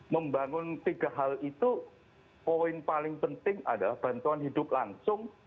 membangun tiga hal itu poin paling penting adalah bantuan hidup langsung